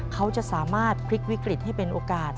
เขาจะสามารถพลิกวิกฤตให้เป็นโอกาส